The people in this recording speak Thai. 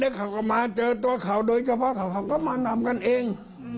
เขาก็มาเจอตัวเขาโดยเฉพาะเขาก็มานำกันเอง